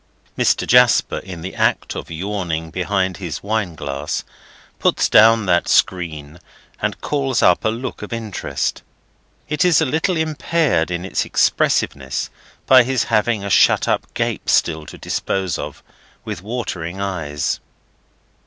Mr. Jasper, in the act of yawning behind his wineglass, puts down that screen and calls up a look of interest. It is a little impaired in its expressiveness by his having a shut up gape still to dispose of, with watering eyes.